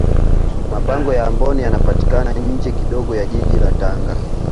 mapango ya amboni yanapatikana nje kidogo ya jiji la tanga